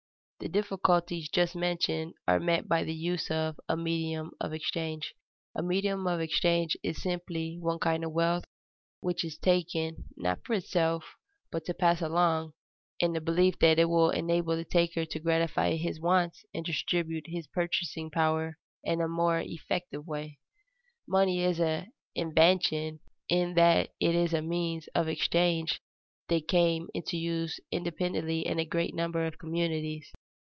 _ The difficulties just mentioned are met by the use of a medium of exchange. A medium of exchange is simply one kind of wealth which is taken, not for itself, but to pass along, in the belief that it will enable the taker to gratify his wants and distribute his purchasing power in a more effective way. Money is an "invention" in that it is a means of exchange that came into use independently in a great number of communities.